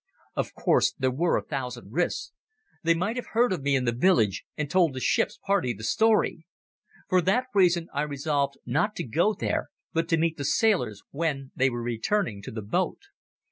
Of course there were a thousand risks. They might have heard of me in the village and told the ship's party the story. For that reason I resolved not to go there but to meet the sailors when they were returning to the boat.